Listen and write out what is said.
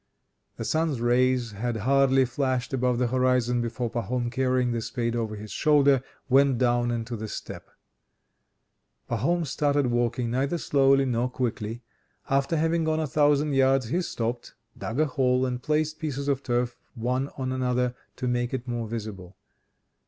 The sun's rays had hardly flashed above the horizon, before Pahom, carrying the spade over his shoulder, went down into the steppe. Pahom started walking neither slowly nor quickly. After having gone a thousand yards he stopped, dug a hole and placed pieces of turf one on another to make it more visible.